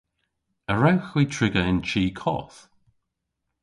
A wrewgh hwi triga yn chi koth?